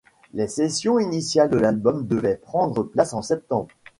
Les sessions initiales de l'album devaient prendre place en septembre.